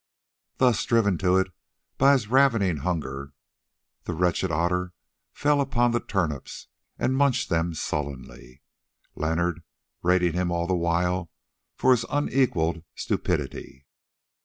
Then, driven to it by his ravening hunger, the wretched Otter fell upon the turnips and munched them sullenly, Leonard rating him all the while for his unequalled stupidity.